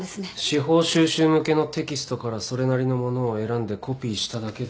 司法修習向けのテキストからそれなりのものを選んでコピーしただけです。